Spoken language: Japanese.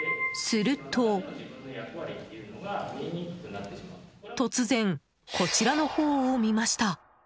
すると、突然こちらのほうを見ました。